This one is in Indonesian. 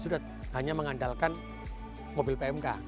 sudah hanya mengandalkan mobil pmk